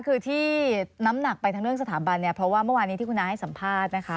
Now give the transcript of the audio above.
คือที่น้ำหนักไปทั้งเรื่องสถาบันเนี่ยเพราะว่าเมื่อวานนี้ที่คุณน้าให้สัมภาษณ์นะคะ